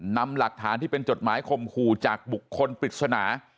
นำหลักฐานที่เป็นจดหมายคมขู่จากบุคคลปริศนา